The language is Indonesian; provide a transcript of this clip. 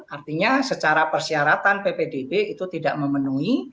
artinya secara persyaratan ppdb itu tidak memenuhi